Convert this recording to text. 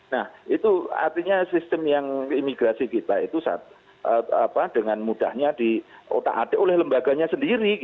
nah itu artinya sistem yang imigrasi kita itu dengan mudahnya di otak atik oleh lembaganya sendiri